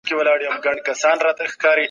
خلګ مخکي له کاره پاته سوي وو.